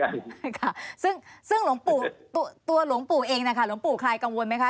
ใช่ค่ะซึ่งหลวงปู่ตัวหลวงปู่เองนะคะหลวงปู่ใครกังวลไหมคะ